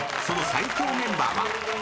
その最強メンバーは］